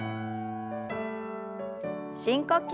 深呼吸。